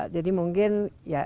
jadi mungkin ya